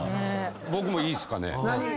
僕いいっすかね。